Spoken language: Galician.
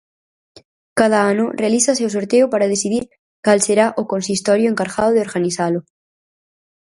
Cada ano, realízase o sorteo para decidir cal será o consistorio encargado de organizalo.